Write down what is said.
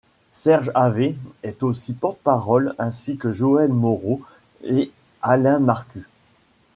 Serge Havet est aussi porte parole ainsi que Joelle Moreau et Alain Marcu.